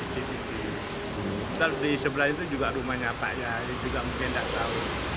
di sebelah itu juga rumahnya pak yaya juga mungkin nggak tahu